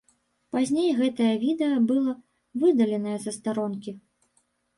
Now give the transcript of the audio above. Пазней гэтае відэа было выдаленае са старонкі.